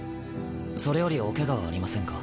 それよりおケガはありませんか？